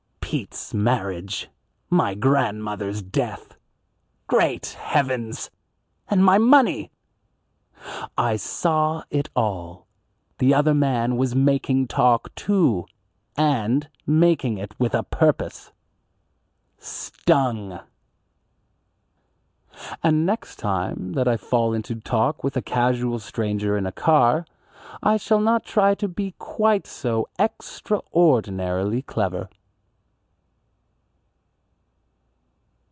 Pete's marriage! My grandmother's death! Great heavens! And my money! I saw it all; the other man was "making talk," too, and making it with a purpose. Stung! And next time that I fall into talk with a casual stranger in a car, I shall not try to be quite so extraordinarily clever.